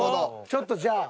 ちょっとじゃあ。